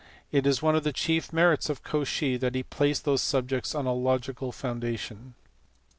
It is one of the chief merits of Cauchy that he placed those subjects on a logical foundation.